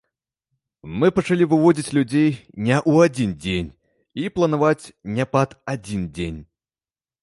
Мы пачалі выводзіць людзей не ў адзін дзень і планаваць не пад адзін дзень.